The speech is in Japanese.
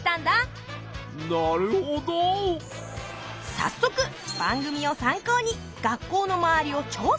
早速番組を参考に学校の周りを調査。